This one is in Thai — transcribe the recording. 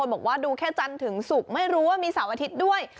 บอกว่าดูแค่จันทร์ถึงศุกร์ไม่รู้ว่ามีเสาร์อาทิตย์ด้วย